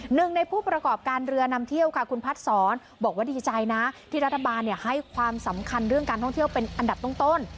หนึ่งในผู้ประกอบการเรือนำเที่ยวค่ะคุณพัดศรบอกว่าดีใจนะที่รัฐบาลให้ความสำคัญเรื่องการท่องเที่ยวเป็นอันดับต้น